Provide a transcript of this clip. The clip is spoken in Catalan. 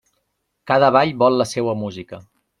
Cada ball vol la seua música.